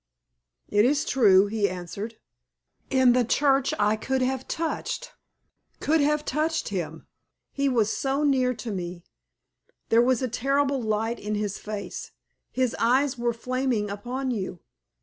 "It is true," he answered. "In the church I could have touched could have touched him, he was so near to me there was a terrible light in his face, his eyes were flaming upon you.